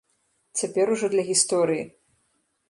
Цяпер ужо для гісторыі.